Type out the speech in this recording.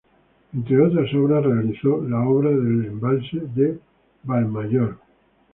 Entre otras obras realizó la obra del embalse de Valmayor.